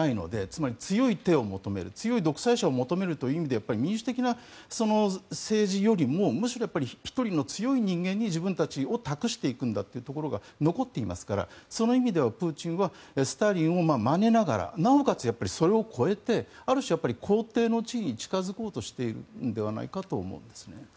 つまり強い手を求める強い独裁者を求めるという意味でやっぱり民主的な政治よりもむしろ１人の強い人間に自分たちを託していくんだというところが残っていますからその意味ではプーチンはスターリンをまねながらなおかつそれを超えてある種、皇帝の地位に近付こうとしているのではないかと思うんです。